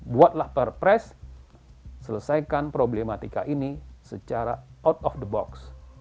buatlah perpres selesaikan problematika ini secara out of the box